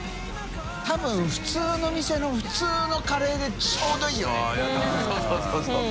進普通の店の普通のカレーでちょうどいいよね。